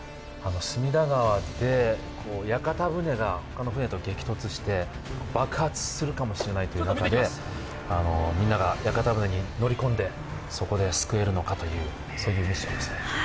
隅田川で屋形船が他の船と激突して爆発するかもしれないという中でみんなが屋形船に乗り込んでそこで救えるのかというミッションですね。